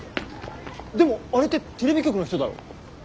でもあれってテレビ局の人だろ？